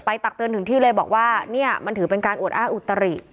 ตักเตือนถึงที่เลยบอกว่าเนี่ยมันถือเป็นการอวดอ้างอุตริ